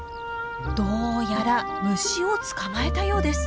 どうやら虫を捕まえたようです。